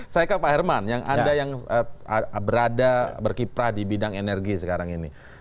saya ke pak herman yang anda yang berada berkiprah di bidang energi sekarang ini